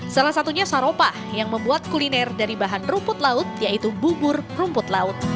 salah satunya saropa yang membuat kuliner dari bahan rumput laut yaitu bubur rumput laut